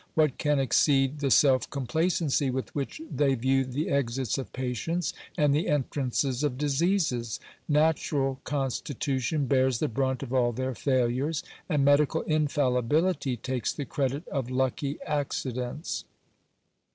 What can exceed the self complacency with which they view the exits of patients, and the entrances of diseases ? Natural constitution bears the brunt of all their failures, and medical infallibility takes the credit of lucky accidents.